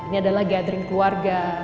ini adalah gathering keluarga